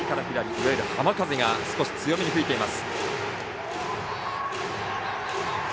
いわゆる浜風が少し強めに吹いています。